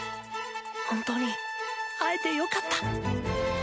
本当に会えてよかった。